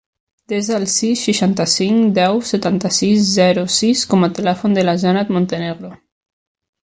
Desa el sis, seixanta-cinc, deu, setanta-sis, zero, sis com a telèfon de la Jannat Montenegro.